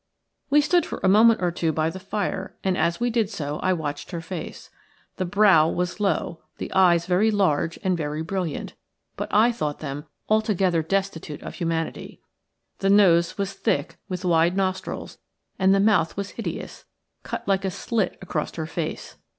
We stood for a moment or two by the fire, and as we did so I watched her face. The brow was low, the eyes very large and very brilliant, but I thought them altogether destitute of humanity. The nose was thick, with wide nostrils, and the mouth was hideous, cut like a slit across her face.